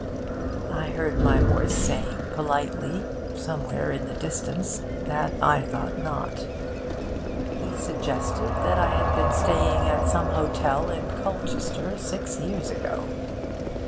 I heard my voice saying politely, somewhere in the distance, that I thought not. He suggested that I had been staying at some hotel in Colchester six years ago.